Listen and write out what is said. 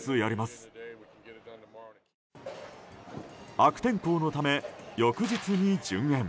悪天候のため翌日に順延。